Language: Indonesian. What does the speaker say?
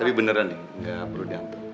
tapi beneran nih gak perlu diantuk